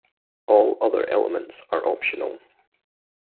All other elements are optional.